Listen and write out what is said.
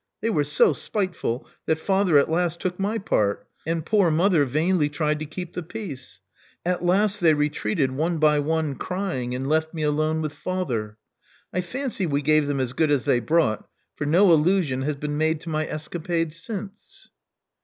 They were so spiteful that father at last took my part; and poor mother vainly tried to keep the peace. At last they retreated one by one crying, and left me alone with father. I fancy we gave them as good as they brought; for no allusion has been made to my escapade since.